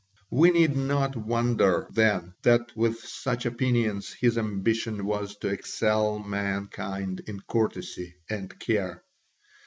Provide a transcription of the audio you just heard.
We need not wonder, then, that with such opinions his ambition was to excel mankind in courtesy and care.